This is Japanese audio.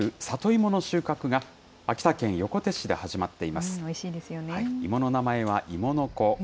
芋の名前は、いものこ。